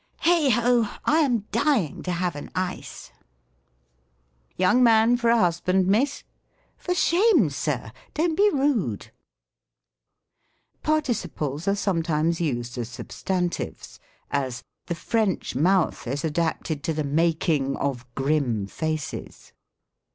" Heigho ! I am dying to have an ice —" Young man for a husband. Miss ? For shame. Sir ! don't be rude ! Participles are sometimes used as substantives : as, " The French mouth is adapted to the making of grim aces."